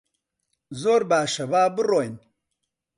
زۆر باشە، با بڕۆین.